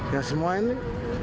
ya semua ini